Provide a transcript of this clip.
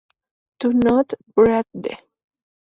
Do Not Breathe".